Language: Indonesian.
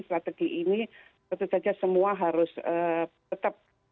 strategi ini tentu saja semua harus tetap